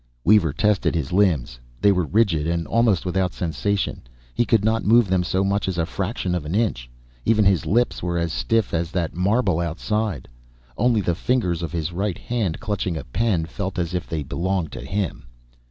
Weaver tested His limbs. They were rigid and almost without sensation; He could not move them so much as the fraction of an inch. Even His lips were as stiff as that marble outside. Only the fingers of His right hand, clutching a pen, felt as if they belonged to Him.